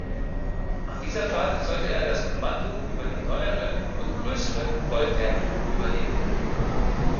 Nach dieser Fahrt sollte er das Kommando über die neuere und größere "Voltaire" übernehmen.